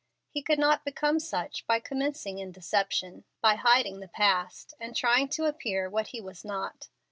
He could not become such by commencing in deception by hiding the past, and trying to appear what he was not.